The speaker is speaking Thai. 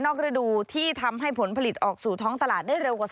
นอกลดูที่ทำให้ผลผลิตออกสู่ท้องตลาด